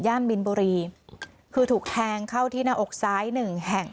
มินบุรีคือถูกแทงเข้าที่หน้าอกซ้ายหนึ่งแห่ง